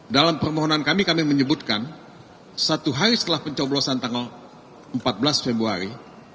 dalam permohonan kami kami menyebutkan satu hari setelah pencoblosan tanggal empat belas februari